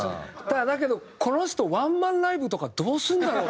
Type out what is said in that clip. ただだけどこの人ワンマンライブとかどうするんだろう？